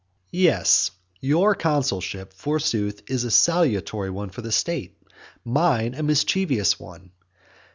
VII. Yes, your consulship, forsooth, is a salutary one for the state, mine a mischievous one.